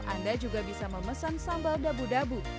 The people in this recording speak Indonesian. anda juga bisa memesan sambal dabu dabu